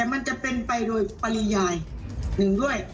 มันจะเป็นไปโดยปริยายหนึ่งด้วย